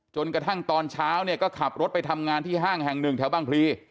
จนกระทั่งตอนเช้าเนี่ยก็ขับรถไปทำงานที่ห้างแห่งหนึ่งแถวบางพลี